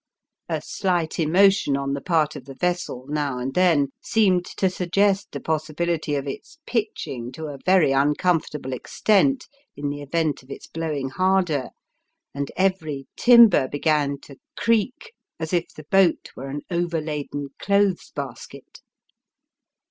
A slight emotion on the part of the vessel, now and then, seemed to suggest the possibility of its pitching to a very uncomfortable extent in the event of its blowing harder ; and every timber began to creak, as if the boat were an overladen clothes basket.